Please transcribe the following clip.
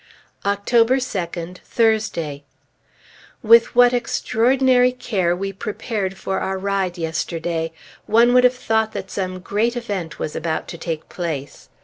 October 2d, Thursday. With what extraordinary care we prepared for our ride yesterday! One would have thought that some great event was about to take place.